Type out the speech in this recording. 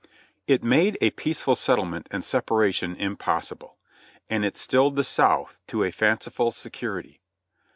It made a peaceful settlement and separation impossible, and it stilled the South to a fanciful security.